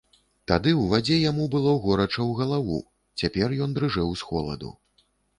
Тады ў вадзе яму было горача ў галаву, цяпер ён дрыжэў з холаду.